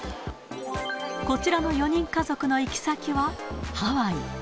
こちらの４人家族の行き先はハワイ。